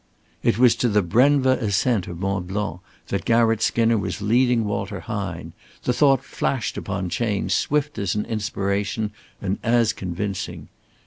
It was to the Brenva ascent of Mont Blanc that Garratt Skinner was leading Walter Hine! The thought flashed upon Chayne swift as an inspiration and as convincing.